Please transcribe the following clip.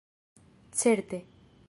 certe